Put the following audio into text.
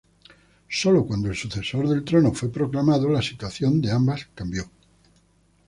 Sólo cuando el sucesor del trono fue proclamado, la situación de ambas cambió.